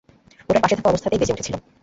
ওটার পাশে থাকা অবস্থাতেই বেজে উঠেছিল।